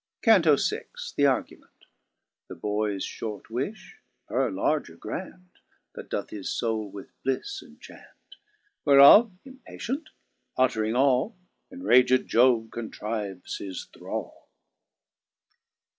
289 CANTO VI. THE ARGUMENT. The boyes Jhort wijh^ her larger grant ^ That doth hisfoule with bliffe enchant i Wh^eof impatient uttering all^ Inraged Jove contrives his thrall.